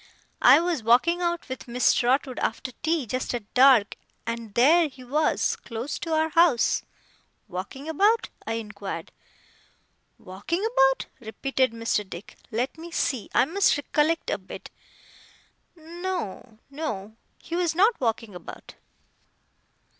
I was walking out with Miss Trotwood after tea, just at dark, and there he was, close to our house.' 'Walking about?' I inquired. 'Walking about?' repeated Mr. Dick. 'Let me see, I must recollect a bit. N no, no; he was not walking about.